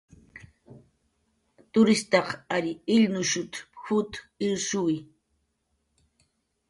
"Tutirtaq ary illnushut"" p""ut irshuwi"